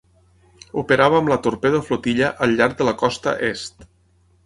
Operava amb la Torpedo Flotilla al llarg de la costa est.